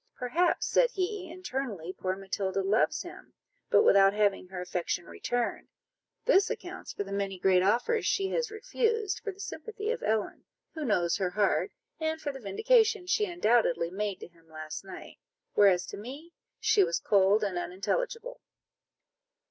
"Perhaps," said he, "internally, poor Matilda loves him, but without having her affection returned: this accounts for the many great offers she has refused, for the sympathy of Ellen, who knows her heart, and for the vindication she undoubtedly made to him last night; whereas to me she was cold and unintelligible."